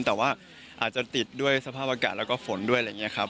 แต่ว่าอาจจะติดด้วยสภาพอากาศแล้วก็ฝนด้วยอะไรอย่างนี้ครับ